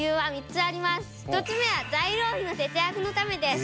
１つ目は材料費の節約のためです。